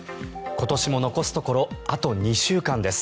今年も残すところあと２週間です。